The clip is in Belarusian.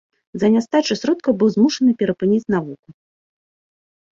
З-за нястачы сродкаў быў змушаны перапыніць навуку.